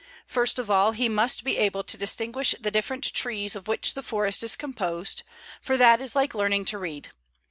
First of all, he must be able to distinguish the different trees of which the forest is composed, for that is like learning to read.